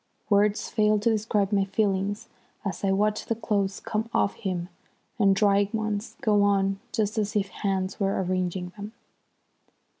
Words fail to describe my feelings as I watched the clothes come off him and dry ones go on just as if hands were arranging them.